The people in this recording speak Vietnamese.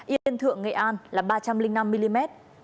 yên thượng nghệ an là ba trăm linh năm mm